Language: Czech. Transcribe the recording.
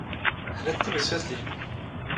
Hned to vysvětlím.